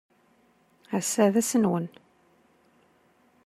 Ass-a d ass-nnwen.